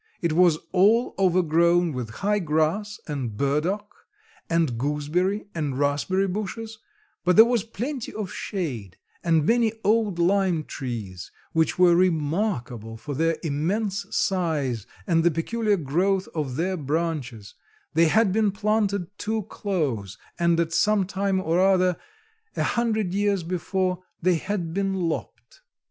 It was all overgrown with high grass, and burdock, and gooseberry and raspberry bushes, but there was plenty of shade, and many old lime trees, which were remarkable for their immense size and the peculiar growth of their branches; they had been planted too close and at some time or other a hundred years before they had been lopped.